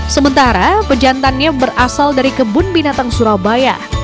sementara pejantannya berasal dari kebun binatang surabaya